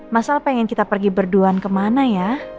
masal pengen kita pergi berduaan kemana ya